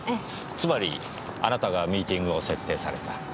つまりあなたがミーティングを設定された？